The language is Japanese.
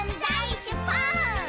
「しゅぽーん！」